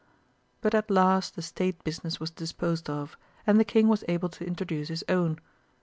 But at last the state business was disposed of, and the King was able to introduce his own.